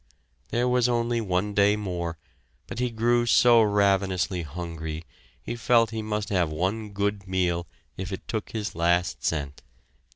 There was only one day more, but he grew so ravenously hungry, he felt he must have one good meal, if it took his last cent.